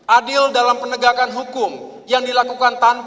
adil dalam penegakan hukum yang dilakukan tanpa terhadap negara